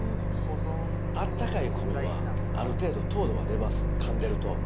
あったかい米は、ある程度、糖度が出ます、かんでると。